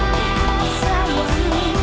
dia tak salah